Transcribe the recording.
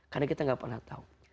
karena kita gak pernah tahu